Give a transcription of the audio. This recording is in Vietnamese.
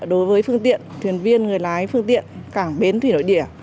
đối với phương tiện thuyền viên người lái phương tiện cảng bến thủy nội địa